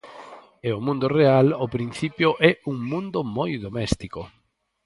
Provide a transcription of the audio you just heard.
E o mundo real ao principio é un mundo moi doméstico.